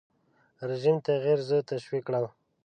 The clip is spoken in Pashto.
رژیم تغییر زه تشویق کړم.